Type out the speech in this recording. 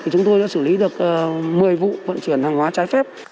chúng tôi đã xử lý được một mươi vụ vận chuyển hàng hóa trái phép